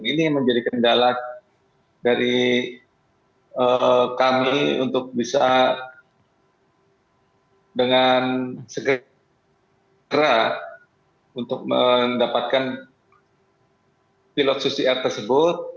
ini menjadi kendala dari kami untuk bisa dengan segera untuk mendapatkan pilot susi air tersebut